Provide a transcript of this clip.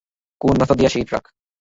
কোন রাস্তা দিয়ে আসে এই ট্রাক?